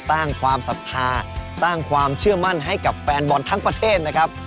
สร้างความศรัทธาสร้างความเชื่อมั่นให้กับแฟนบอลทั้งประเทศนะครับ